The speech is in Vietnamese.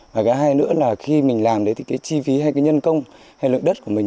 và cái hai nữa là khi mình làm đấy thì cái chi phí hay cái nhân công hay lượng đất của mình